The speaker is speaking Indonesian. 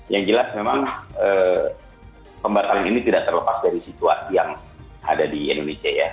yang jelas memang pembatalan ini tidak terlepas dari situasi yang ada di indonesia ya